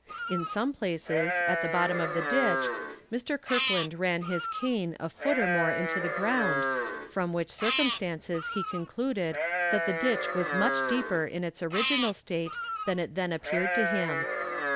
In some places, at the bottom of the ditch, Mr. Kirkland ran his cane a foot or more into the ground, from which circumstance he concluded that the ditch was much deeper in its original state than it then appeared to him.